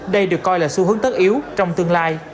đây được coi là xu hướng tất yếu trong tương lai